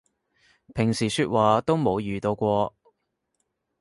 平時說話都冇遇到過